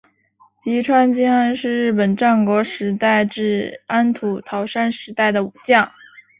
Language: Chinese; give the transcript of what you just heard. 吉川经安是日本战国时代至安土桃山时代的武将。